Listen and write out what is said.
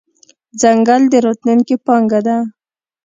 ځنګل د راتلونکې پانګه ده.